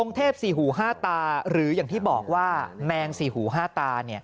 องค์เทพศรีหูห้าตาหรืออย่างที่บอกว่าแมงศรีหูห้าตา